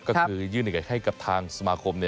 ก็คือยื่นเอกให้กับทางสมาคม